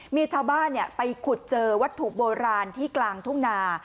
มีชาวบ้านไปขุดเจอวัตถุโบราณที่กลางทุ่งนา